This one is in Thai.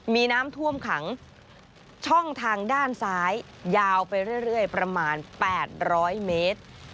มีน้ำท่วมขังช่องทางด้านซ้ายยาวไปเรื่อยประมาณ๘๐๐เมตร